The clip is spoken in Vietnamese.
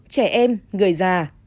trẻ em người già